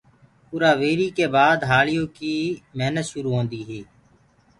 اُرآ ويهري ڪي بآد هآݪيو ڪي مهنت شرو هوند هي